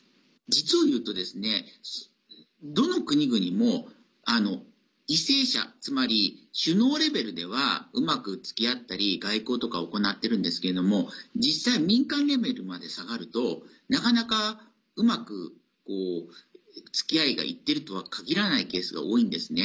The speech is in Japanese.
実をいうと、どの国々も為政者つまり首脳レベルではうまくつきあったり外交とか行っているんですけど実際、民間レベルまで下がるとなかなかうまく、つきあいがいってるとはかぎらないケースが多いんですね。